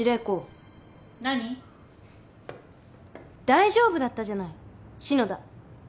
大丈夫だったじゃない篠田。